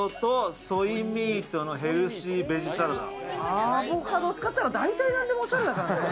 アボカドを使ったら、大体何でもおしゃれだからね。